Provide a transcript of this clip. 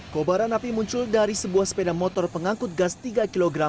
kobaran api muncul dari sebuah sepeda motor pengangkut gas tiga kg